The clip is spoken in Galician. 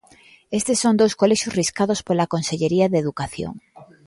Estes son dous colexios riscados pola Consellería de Educación.